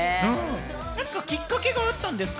きっかけあったんですか？